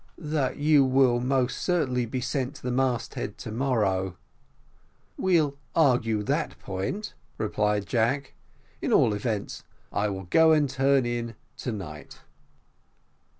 "That you will be, most certainly, sent to the mast head to morrow." "We'll argue that point," replied Jack; "at all events, I will go and turn in to night."